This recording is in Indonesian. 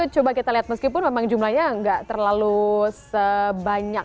coba kita lihat meskipun memang jumlahnya nggak terlalu sebanyak